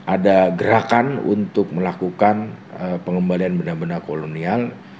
ada gerakan untuk melakukan pengembalian benda benda kolonial